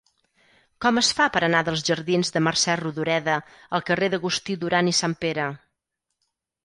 Com es fa per anar dels jardins de Mercè Rodoreda al carrer d'Agustí Duran i Sanpere?